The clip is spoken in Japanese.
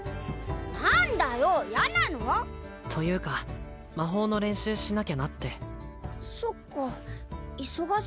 何だよ嫌なの？というか魔法の練習しなきゃなってそっか忙しいよな大人ってさ